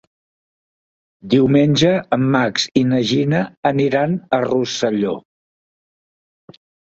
Diumenge en Max i na Gina aniran a Rosselló.